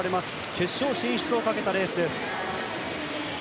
決勝進出をかけたレースです。